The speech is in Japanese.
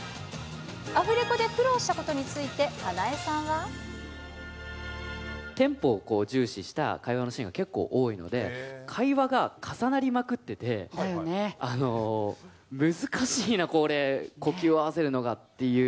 アフレコで苦労したことにつテンポを重視した会話のシーンが結構多いので、会話が重なりまくってて、難しいな、これ、呼吸合わせるのがっていう。